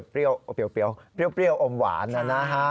แล้วก็จะเปรี้ยวเปรี้ยวอมหวานนะฮะ